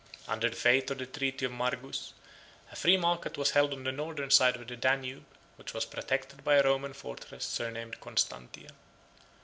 18 Under the faith of the treaty of Margus, a free market was held on the Northern side of the Danube, which was protected by a Roman fortress surnamed Constantia.